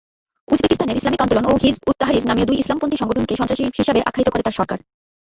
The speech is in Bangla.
উজবেকিস্তানের ইসলামিক আন্দোলন ও হিজব-উত-তাহরির নামীয় দুই ইসলামপন্থী সংগঠনকে সন্ত্রাসী হিসেবে আখ্যায়িত করে তার সরকার।